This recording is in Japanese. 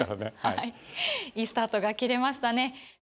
いいスタートが切れましたね。